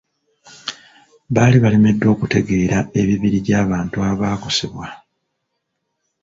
Baali balemeddwa okutegeera ebibiri gy'abantu abaakosebwa.